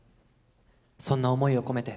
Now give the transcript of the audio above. そんな思いを込めて